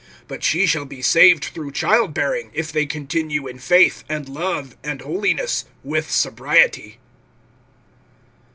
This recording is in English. (15)But she shall be saved through child bearing, if they continue in faith, and love, and holiness, with sobriety.